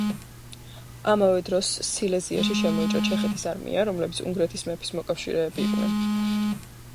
ამავე დროს სილეზიაში შემოიჭრა ჩეხეთის არმია, რომლებიც უნგრეთის მეფის მოკავშირეები იყვნენ.